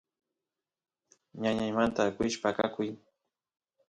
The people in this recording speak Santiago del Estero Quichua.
ñañaymanta akush paqakuy